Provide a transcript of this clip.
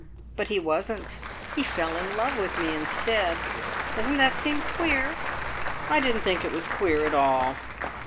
But he wasn't. He fell in love with me instead. Doesn't that seem queer?" I didn't think it was queer at all.